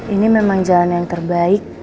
ini memang jalan yang terbaik